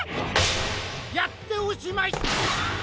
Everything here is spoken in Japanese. やっておしまい！